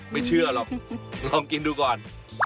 ไม่เชื่อหรอกลองกินดูก่อน